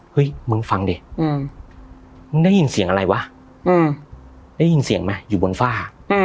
มึงฟังดิมึงได้ยินเสียงอะไรวะได้ยินเสียงไหมอยู่บนฝ้า